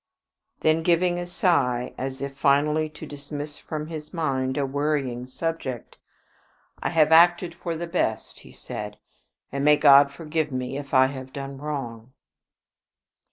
Then giving a sigh, as if finally to dismiss from his mind a worrying subject "I have acted for the best," he said, "and may God forgive me if I have done wrong."